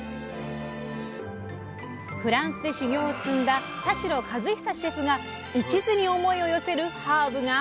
フランスで修業を積んだ田代和久シェフがいちずに思いを寄せるハーブが！